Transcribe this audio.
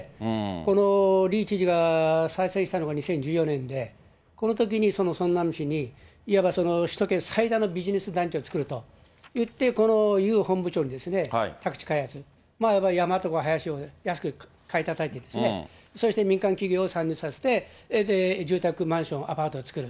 このイ知事が再選したのが２０１４年で、このときにそのソンナム市に、いわば首都圏最大のビジネス団地を作ると言って、このユ本部長に、宅地開発、山とか林を安く買いたたいてですね、そして民間企業を参入させて、住宅、マンション、アパートを作る。